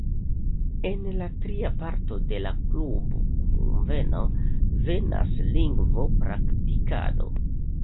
En la tria parto de la klubkunveno venas lingvo-praktikado.